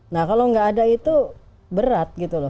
nah kalau nggak ada itu berat gitu loh